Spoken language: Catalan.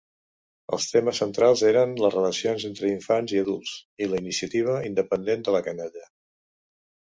Els temes centrals eren les relacions entre infants i adults i la iniciativa independent de la canalla.